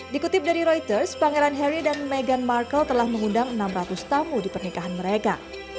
dikutip dari reuters pangeran harry dan meghan markle telah mengundang enam ratus tamu di pernikahan mereka